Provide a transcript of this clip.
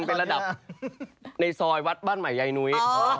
เป็นระดับในซอยวัดบ้านใหม่ยายนุ้ย